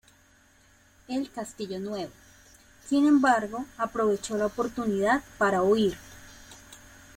El "Castillo Nuevo", sin embargo, aprovechó la oportunidad para huir.